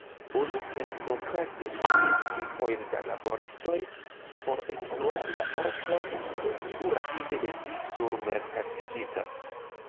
Oni senprokraste sendis skipojn da laboristoj por ekspluati la okron, kiu rapide estis surmerkatigita.